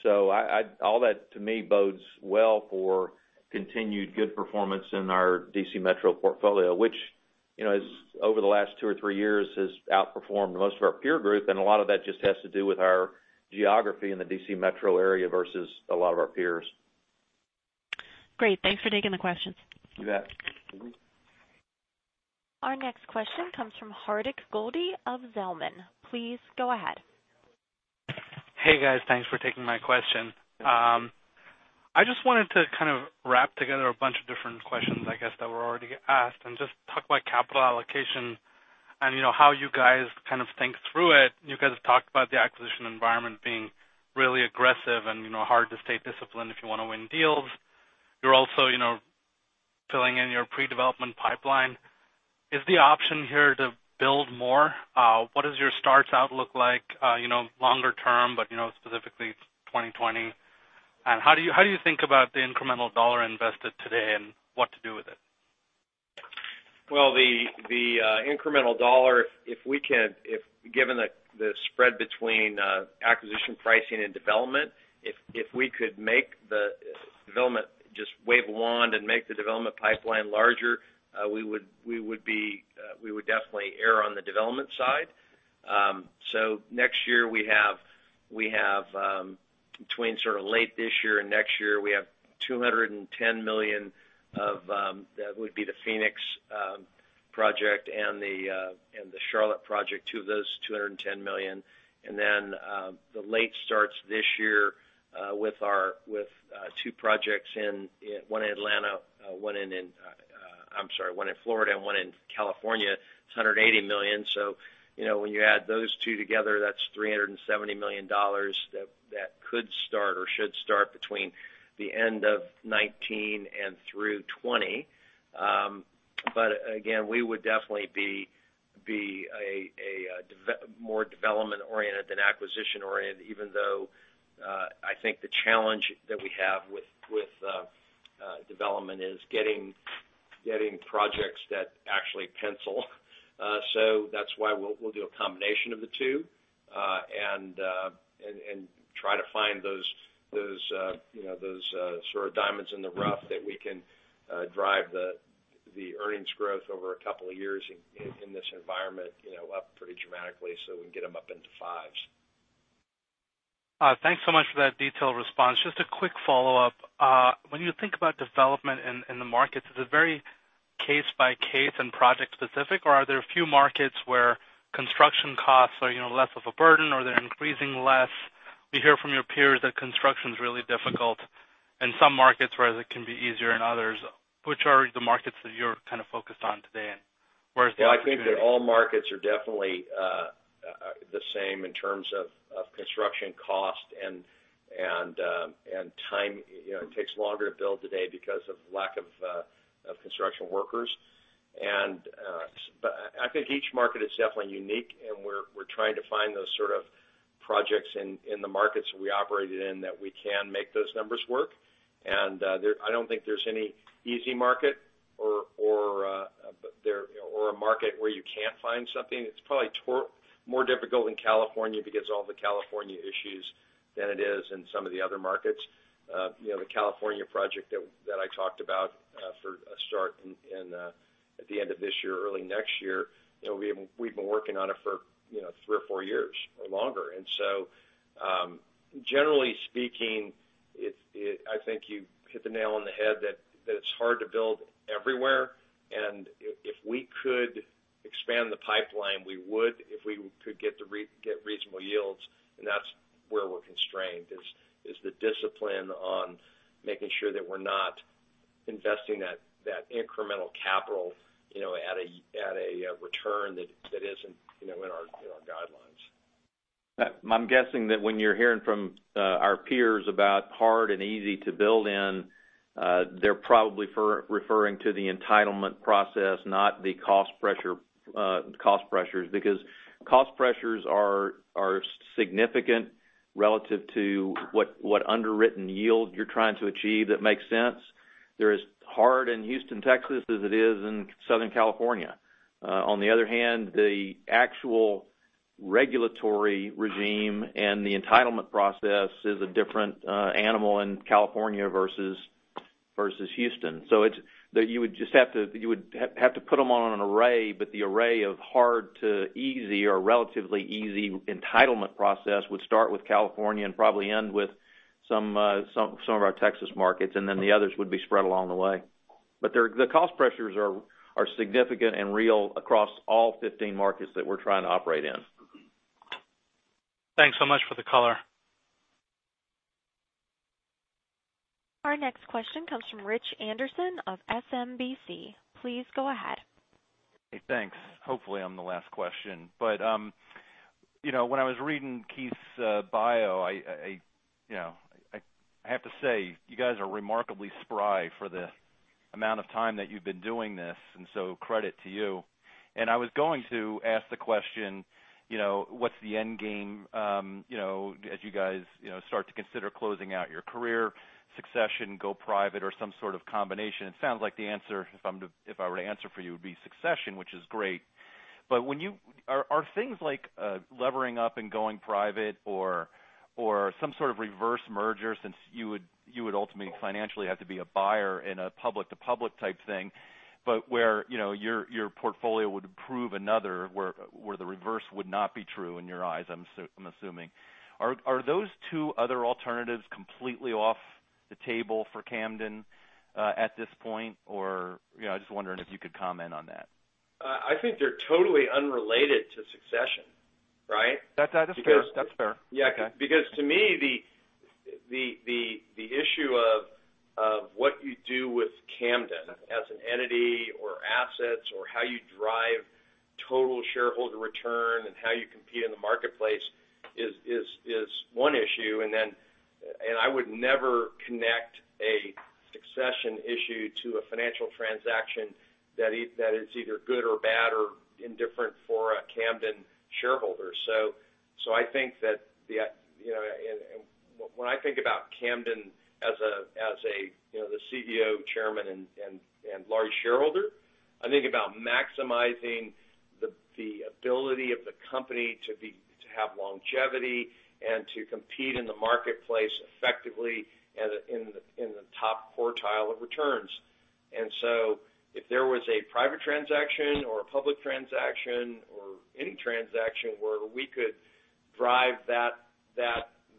All that to me, bodes well for continued good performance in our D.C. Metro portfolio, which over the last two or three years, has outperformed most of our peer group. A lot of that just has to do with our geography in the D.C. Metro area versus a lot of our peers. Great. Thanks for taking the questions. You bet. Mm-hmm. Our next question comes from Hardik Goel of Zelman. Please go ahead. Hey, guys. Thanks for taking my question. I just wanted to kind of wrap together a bunch of different questions, I guess, that were already asked, and just talk about capital allocation and how you guys kind of think through it. You guys have talked about the acquisition environment being really aggressive and hard to stay disciplined if you want to win deals. You're also filling in your pre-development pipeline. Is the option here to build more? What does your starts outlook look like longer term, but specifically 2020? How do you think about the incremental dollar invested today and what to do with it? The incremental dollar, given the spread between acquisition pricing and development, if we could just wave a wand and make the development pipeline larger, we would definitely err on the development side. Between late this year and next year, we have $210 million. That would be the Phoenix project and the Charlotte project, two of those, $210 million. The late starts this year with two projects, one in Florida and one in California. It's $180 million. When you add those two together, that's $370 million that could start or should start between the end of 2019 and through 2020. Again, we would definitely be more development-oriented than acquisition-oriented, even though I think the challenge that we have with development is getting projects that actually pencil. That's why we'll do a combination of the two, and try to find those sort of diamonds in the rough that we can drive the earnings growth over a couple of years in this environment, up pretty dramatically so we can get them up into fives. Thanks so much for that detailed response. Just a quick follow-up. When you think about development in the markets, is it very case by case and project specific, or are there a few markets where construction costs are less of a burden or they're increasing less? We hear from your peers that construction's really difficult. In some markets, whereas it can be easier in others. Which are the markets that you're kind of focused on today and where is the opportunity? Well, I think that all markets are definitely the same in terms of construction cost and time. It takes longer to build today because of lack of construction workers. I think each market is definitely unique, and we're trying to find those sort of projects in the markets we operated in that we can make those numbers work. I don't think there's any easy market or a market where you can't find something. It's probably more difficult in California because all the California issues, than it is in some of the other markets. The California project that I talked about for a start at the end of this year, early next year, we've been working on it for three or four years or longer. Generally speaking, I think you hit the nail on the head that it's hard to build everywhere, and if we could expand the pipeline, we would, if we could get reasonable yields. That's where we're constrained, is the discipline on making sure that we're not investing that incremental capital at a return that isn't in our guidelines. I'm guessing that when you're hearing from our peers about hard and easy to build in, they're probably referring to the entitlement process, not the cost pressures. Cost pressures are significant relative to what underwritten yield you're trying to achieve that makes sense. They're as hard in Houston, Texas, as it is in Southern California. On the other hand, the actual regulatory regime and the entitlement process is a different animal in California versus Houston. You would have to put them on an array, but the array of hard to easy or relatively easy entitlement process would start with California and probably end with some of our Texas markets, and then the others would be spread along the way. The cost pressures are significant and real across all 15 markets that we're trying to operate in. Thanks so much for the color. Our next question comes from Rich Anderson of SMBC. Please go ahead. Hey, thanks. Hopefully, I'm the last question. When I was reading Keith's bio, I have to say, you guys are remarkably spry for the amount of time that you've been doing this, and so credit to you. I was going to ask the question, what's the end game, as you guys start to consider closing out your career, succession, go private or some sort of combination? It sounds like the answer, if I were to answer for you, would be succession, which is great. Are things like levering up and going private or some sort of reverse merger, since you would ultimately financially have to be a buyer in a public-to-public type thing, but where your portfolio would improve another, where the reverse would not be true in your eyes, I'm assuming? Are those two other alternatives completely off the table for Camden, at this point, or just wondering if you could comment on that? I think they're totally unrelated to succession, right? That is fair. Yeah. Okay. To me, the issue of what you do with Camden as an entity or assets or how you drive total shareholder return and how you compete in the marketplace is one issue, and I would never connect a succession issue to a financial transaction that is either good or bad or indifferent for a Camden shareholder. I think that when I think about Camden as the CEO, chairman, and large shareholder, I think about maximizing the ability of the company to have longevity and to compete in the marketplace effectively and in the top quartile of returns. If there was a private transaction or a public transaction or any transaction where we could drive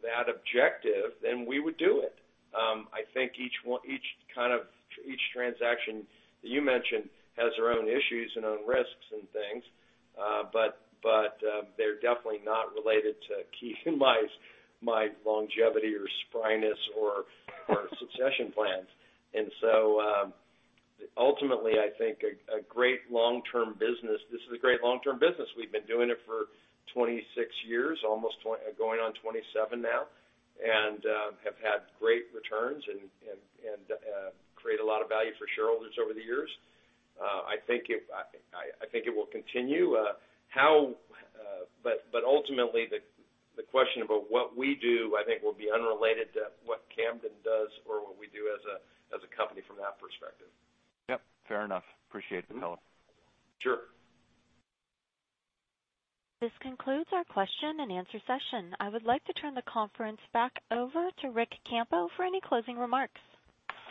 that objective, then we would do it. I think each transaction that you mentioned has their own issues and own risks and things. They're definitely not related to Keith and my longevity or spryness or succession plans. Ultimately, I think this is a great long-term business. We've been doing it for 26 years, almost going on 27 now, and have had great returns and create a lot of value for shareholders over the years. I think it will continue. Ultimately, the question about what we do, I think, will be unrelated to what Camden does or what we do as a company from that perspective. Yep, fair enough. Appreciate the color. Sure. This concludes our question and answer session. I would like to turn the conference back over to Ric Campo for any closing remarks.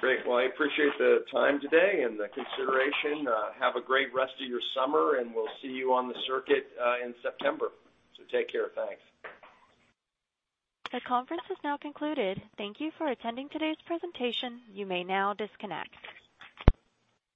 Great. Well, I appreciate the time today and the consideration. Have a great rest of your summer, and we'll see you on the circuit in September. Take care. Thanks. The conference is now concluded. Thank you for attending today's presentation. You may now disconnect.